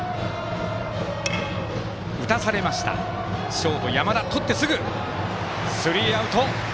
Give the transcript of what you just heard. ショート、山田がとってスリーアウト。